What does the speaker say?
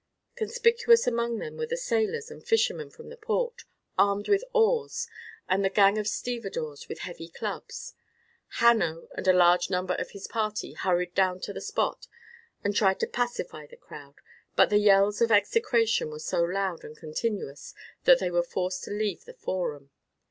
Conspicuous among them were the sailors and fishermen from the port, armed with oars, and the gang of stevedores with heavy clubs. Hanno and a large number of his party hurried down to the spot and tried to pacify the crowd, but the yells of execration were so loud and continuous that they were forced to leave the forum.